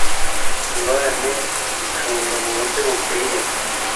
Ingorane gicungwa mu buryo bukwiye